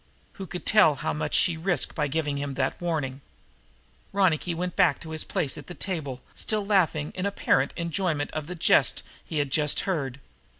Who could tell how much she risked by giving him that warning? Ronicky went back to his place at the table, still laughing in apparent enjoyment of the jest he had just heard.